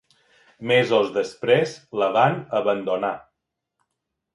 Mesos després la van abandonar.